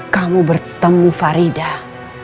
kamu bertemu faridah